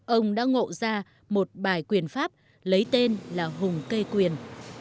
ông đã ngộ ra một bài quyền pháp lấy tên là hùng cây quyền